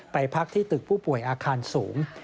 พักที่ตึกผู้ป่วยอาคารสูง